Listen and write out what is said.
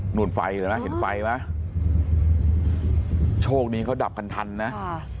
นู่นไฟเห็นไหมเห็นไฟไหมโชคดีเขาดับกันทันนะค่ะ